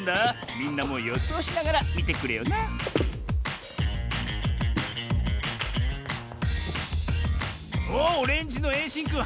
みんなもよそうしながらみてくれよなおっオレンジのえいしんくん